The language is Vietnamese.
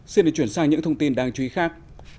xin được chuyển sang những thông tin đáng chú ý khác